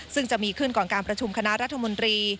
ซึ่งจะมีขึ้นก่อนการประชุมคณะรัฐมนตรี